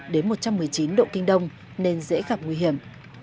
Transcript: một trăm một mươi một đến một trăm một mươi chín độ kinh đông nên dễ gặp nguy hiểm